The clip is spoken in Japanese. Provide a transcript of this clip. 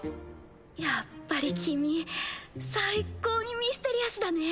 やっぱり君最高にミステリアスだね。